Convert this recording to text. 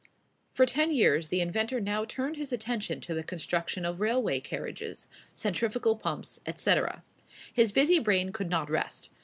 For ten years the inventor now turned his attention to the construction of railway carriages, centrifugal pumps, etc. His busy brain could not rest.